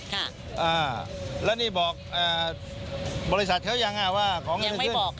ค่ะอ่าแล้วนี่บอกบริษัทเขายังว่าของเงินเดือนขึ้น